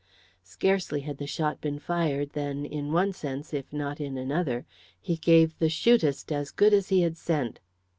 Scarcely had the shot been fired than, in one sense, if not in another, he gave the "shootist" as good as he had sent.